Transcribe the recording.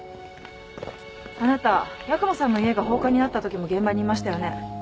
あなた八雲さんの家が放火に遭った時も現場にいましたよね？